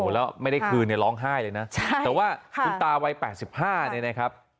แล้วไม่ได้คืนร้องไห้เลยนะแต่ว่าคุณตาวัย๘๕